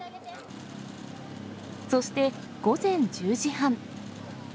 そして、午前１０時半。